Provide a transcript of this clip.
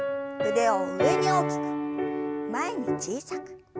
腕を上に大きく前に小さく。